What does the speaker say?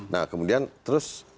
nah kemudian terus